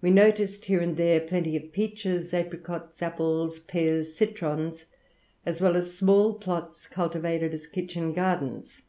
We noticed here and there plenty of peaches, apricots, apples, pears, citrons, as well as small plots cultivated as kitchen gardens.